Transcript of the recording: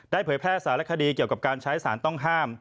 เผยแพร่สารคดีเกี่ยวกับการใช้สารต้องห้าม